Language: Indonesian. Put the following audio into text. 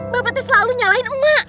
bapak teh selalu nyalahin emak